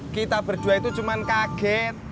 kita berdua itu cuma kaget